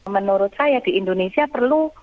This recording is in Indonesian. menurut saya di indonesia perlu